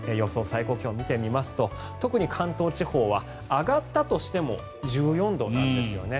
最高気温を見てみますと特に関東地方は上がったとしても１４度なんですよね。